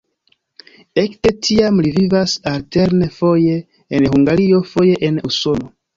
Ekde tiam li vivas alterne foje en Hungario, foje en Usono.